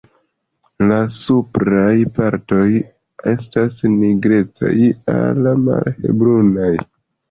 La supraj partoj estas nigrecaj al malhelbrunaj.